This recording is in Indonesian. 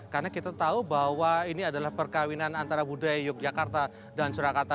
karena kita tahu bahwa ini adalah perkawinan antara budaya yogyakarta dan surakarta